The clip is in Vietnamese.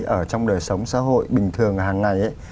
ở trong đời sống xã hội bình thường hàng ngày ấy